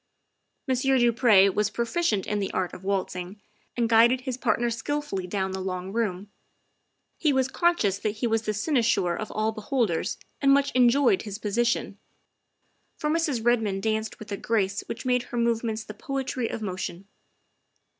Monsieur du Pre was proficient in the art of waltzing and guided his partner skilfully down the long room. He was conscious that he was the cynosure of all be holders and much enjoyed his position, for Mrs. Red moned danced with a grace which made her movements the poetry of motion.